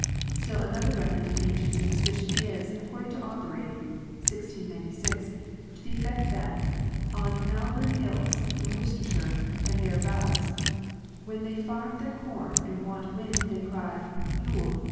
Still another remnant of ancient superstition is, according to Aubrey (1696), to the effect that ''On Malvern hills, in Wor cestershire, and thereabouts, when they farm their corn and want wind they cry ' Youle!